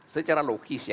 secara logis ya